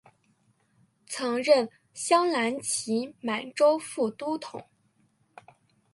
曾任镶蓝旗满洲副都统。